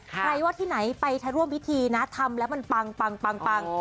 ใครว่าที่ไหนไปร่วมพิธีนะทำแล้วมันปัง